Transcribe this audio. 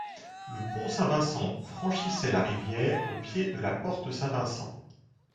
Le pont Saint-Vincent, franchissait la rivière au pied de la porte Saint-Vincent.